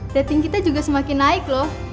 rating kita juga semakin naik loh